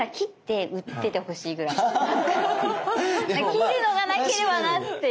切るのがなければなって。